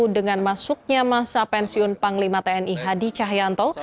dengan masuknya masa pensiun panglima tni hadi cahyanto